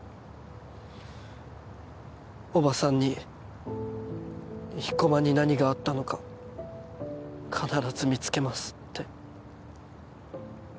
おばさんに生駒に何があったのか必ず見つけますって。